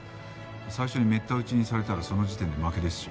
最初にめった打ちにされたらその時点で負けですし。